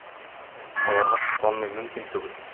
Аларга сокланмый мөмкин түгел.